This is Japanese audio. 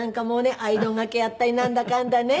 アイロンがけやったりなんだかんだね。